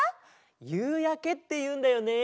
「ゆうやけ」っていうんだよね。